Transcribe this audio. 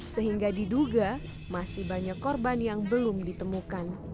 sehingga diduga masih banyak korban yang belum ditemukan